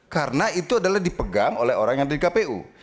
karena itu adalah dipegang oleh orang yang dari kpu